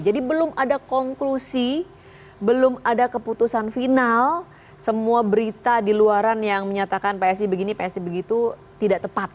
jadi belum ada konklusi belum ada keputusan final semua berita di luaran yang menyatakan psi begini psi begitu tidak tepat